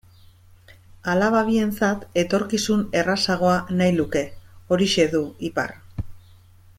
Alaba bientzat etorkizun errazagoa nahi luke, horixe du ipar.